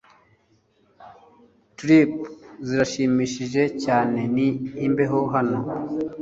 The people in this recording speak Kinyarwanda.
tulip zirashimishije cyane, ni imbeho hano